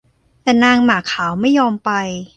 แต่นางหมาขาวไม่ยอมไป